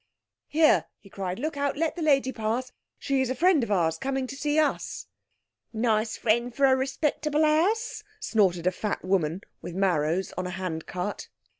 "Here!" he cried, "look out—let the lady pass. She's a friend of ours, coming to see us." "Nice friend for a respectable house," snorted a fat woman with marrows on a handcart.